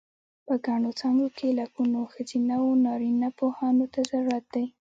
په ګڼو څانګو کې لکونو ښځینه و نارینه پوهانو ته ضرورت دی.